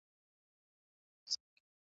چی یوه بل ته خر وایی سره خاندي ,